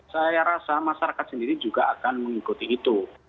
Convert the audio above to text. saya rasa masyarakat sendiri juga akan mengikuti itu